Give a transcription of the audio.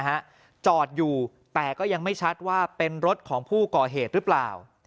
จอดอยู่แต่ก็ยังไม่ชัดว่าเป็นรถของผู้ก่อเหตุหรือเปล่า